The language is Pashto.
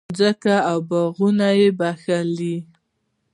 مځکه او باغونه وبخښل.